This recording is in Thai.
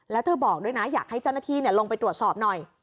แล้วเธอบอกด้วยนะอยากให้เจ้าหน้าที่ลงไปตรวจสอบหน่อย